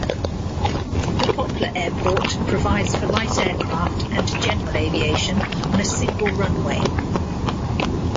The Poplar airport provides for light aircraft and general aviation on a single runway.